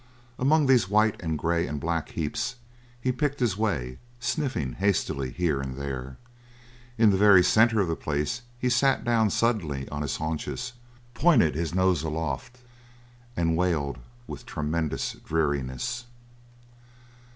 Among these white and grey and black heaps he picked his way, sniffing hastily here and there. In the very centre of the place he sat down suddenly on his haunches, pointed his nose aloft, and wailed with tremendous dreariness.